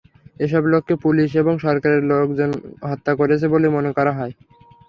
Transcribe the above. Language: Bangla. এসব লোককে পুলিশ এবং সরকারের লোকজন হত্যা করেছে বলে মনে করা হয়।